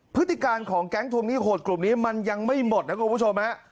พฤติการของแก๊งทวงหนี้โหดกลุ่มนี้มันยังไม่หมดนะคุณผู้ชมฮะ